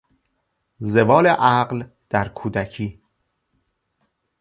زوال عقل در کودکی